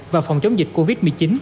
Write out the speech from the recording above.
và phòng chống dịch covid một mươi chín